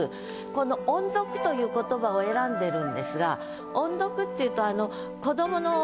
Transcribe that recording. この「音読」という言葉を選んでるんですが音読っていうと。